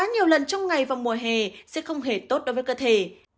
nhiều lần trong ngày vào mùa hè sẽ không hề tốt đối với cơ thể